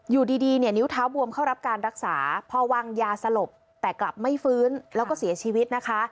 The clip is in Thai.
อยู่ดีเนี่ยนิ้วเท้าบวมเข้ารับการรักษาพอวางยาสลบแต่กลับไม่ฟื้นแล้วก็เสียชีวิตนะคะ